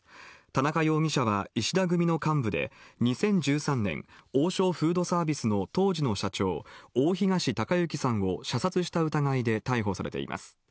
田中容疑者は石田組の幹部で、２０１３年、王将フードサービスの当時の社長、大東隆行さんを射殺した疑いで逮捕されています。